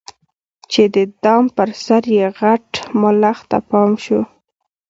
چي د دام پر سر یې غټ ملخ ته پام سو